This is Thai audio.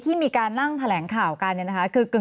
ที่มีการนั่งแถลงข่าวกันคือ